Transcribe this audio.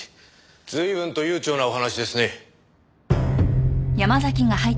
随分と悠長なお話ですね。